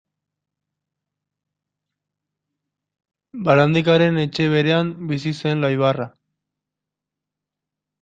Barandikaren etxe berean bizi zen Laibarra.